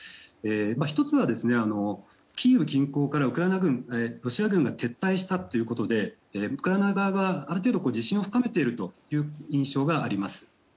１つは、キーウ近郊からロシア軍が撤退したことでウクライナ側がある程度自信を深めている印象があります。